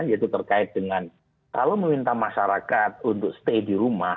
yaitu terkait dengan kalau meminta masyarakat untuk stay di rumah